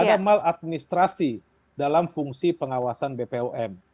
ada maladministrasi dalam fungsi pengawasan bpom